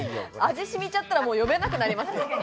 味染みちゃったら読めなくなりますよ。